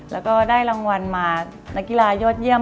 แล้วก็ได้รางวัลมานักกีฬายอดเยี่ยม